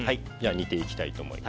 煮ていきたいと思います。